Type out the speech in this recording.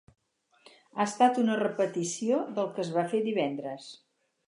Ha estat una repetició del que es va fer divendres.